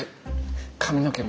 髪の毛も。